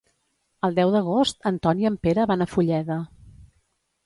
El deu d'agost en Ton i en Pere van a Fulleda.